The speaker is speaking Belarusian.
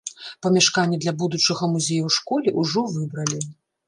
Памяшканне для будучага музея ў школе ўжо выбралі.